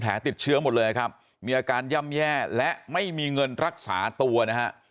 ติดเชื้อหมดเลยครับมีอาการย่ำแย่และไม่มีเงินรักษาตัวนะฮะ